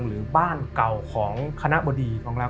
หรือบ้านเก่าของคณะบดีของเรา